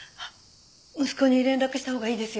息子に連絡したほうがいいですよね？